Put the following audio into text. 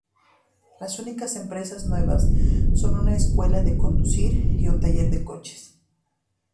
Las únicas empresas nuevas son una escuela de conducir y un taller de coches.